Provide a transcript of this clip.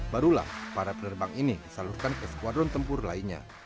barulah para penerbang ini disalurkan ke skuadron tempur lainnya